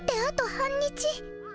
半日？